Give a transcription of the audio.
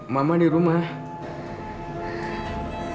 mama di rumah